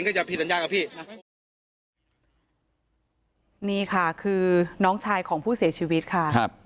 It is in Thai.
ก็จะผิดสัญญากับพี่นี่ค่ะคือน้องชายของผู้เสียชีวิตค่ะครับ